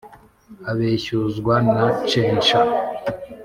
abeshyuzwa na censha.